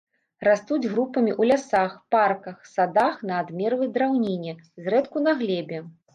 Растуць групамі ў лясах, парках, садах на адмерлай драўніне, зрэдку на глебе.